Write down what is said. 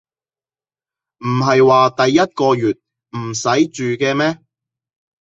唔係話第一個月唔使住嘅咩